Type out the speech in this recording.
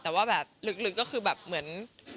แต่ว่าแบบลึกก็คือแบบเหมือน